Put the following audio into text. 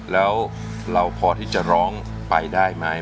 แล้วเราพอที่จะร้องไปได้ไหม